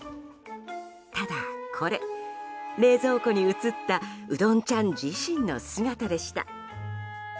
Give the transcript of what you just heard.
ただこれ、冷蔵庫に映ったうどんちゃん自身の姿でした。